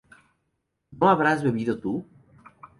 ¿no habrás bebido tú?